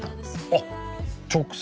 あっ直接？